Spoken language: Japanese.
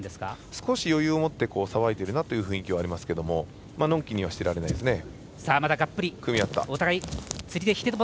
少し余裕を持ってさばいているなという雰囲気はありますけどのんきにはしてられないですね。